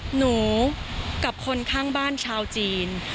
หนูกับคนข้างบ้านชาวจีน